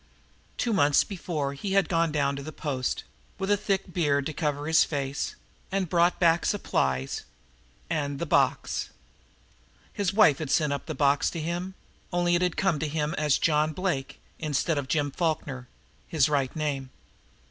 Two months before he had gone down to the post, with a thick beard to cover his face, and had brought back supplies and the box. His wife had sent up the box to him, only it had come to him as "John Blake" instead of Jim Falkner, his right name.